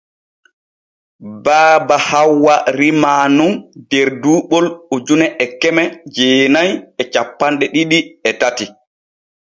Baba Hawwa rimaa nun der duuɓol ujune e keme jeenay e cappanɗe ɗiɗi e tati.